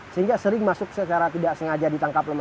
sehingga sering masuk secara tidak sengaja ditangkap